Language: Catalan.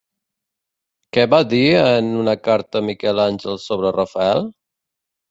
Què va dir en una carta Miquel Àngel sobre Rafael?